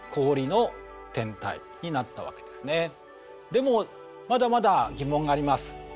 でもまだまだ疑問があります。